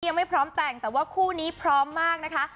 ยังไม่พร้อมแต่งแต่ว่าคู่นี้พร้อมมากนะคะ